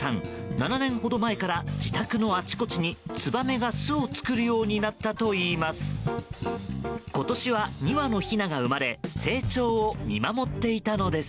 ７年ほど前から自宅のあちこちにツバメが巣を作るようになったといいます。